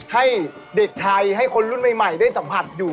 ให้เด็กไทยให้คนรุ่นใหม่ได้สัมผัสอยู่